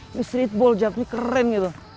ini streetball jabnya keren gitu